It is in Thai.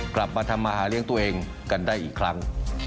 กลับมาทำมาหาเลี้ยงตัวเองกันได้อีกครั้ง